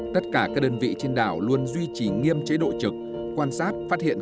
tất cả các đơn vị trên đảo luôn duy trì nghiêm chế độ trực quan sát phát hiện